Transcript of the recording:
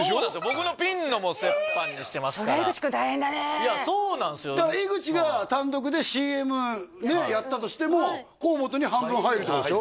僕のピンのも折半にしてますからそれ井口君大変だねいやそうなんですよ井口が単独でＣＭやったとしても河本に半分入るってことでしょ？